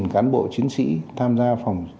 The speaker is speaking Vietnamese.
cán bộ chiến sĩ tham gia phòng